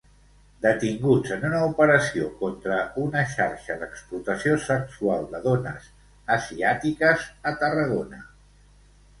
Detinguts en una operació contra una xarxa d'explotació sexual de dones asiàtiques a Tarragona.